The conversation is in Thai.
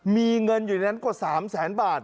มีเงินอยู่ในนั้นกว่า๓แสนบาท